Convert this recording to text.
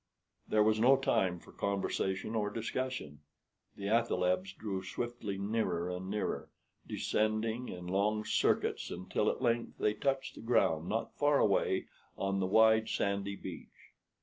There was no time for conversation or discussion. The athalebs drew swiftly nearer and nearer, descending in long circuits, until at length they touched the ground not far away on the wide sandy beach.